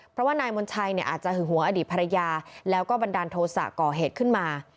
เพราะว่านายมณชัยเนี่ยอาจจะหึงหวงอดีตภรรยาแล้วก็บันดาลโทษะก่อเหตุขึ้นมา